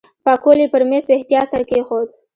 پکول یې پر میز په احتیاط سره کېښود.